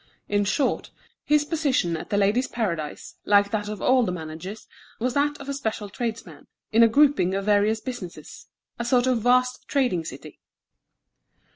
In short, his position at The Ladies' Paradise, like that of all the managers, was that of a special tradesman, in a grouping of various businesses, a sort of vast trading city.